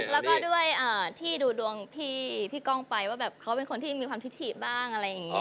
และโดยดูลงพี่กร่องไปว่าเขาเป็นคนที่มีความทิศฉี่บ้าง